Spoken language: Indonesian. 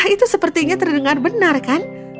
itu sepertinya terdengar benar kan